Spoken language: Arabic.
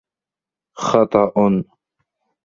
خطأ.